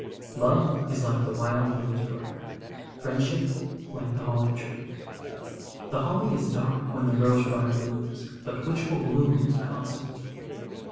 Love is like the wild rose briar; Friendship like the holly tree. The holly is dark when the rose briar blooms, But which will bloom most constantly?